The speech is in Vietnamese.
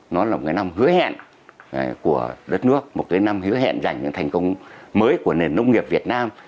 nó là một năm hứa hẹn của đất nước một năm hứa hẹn dành đến thành công mới của nền nông nghiệp việt nam